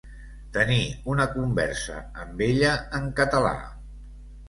Tenir una conversa amb ella en català.